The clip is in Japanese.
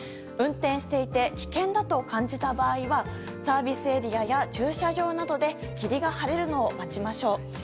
運転していて危険だと感じた場合はサービスエリアや駐車場などで霧が晴れるのを待ちましょう。